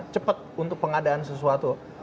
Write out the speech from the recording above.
cepat untuk pengadaan sesuatu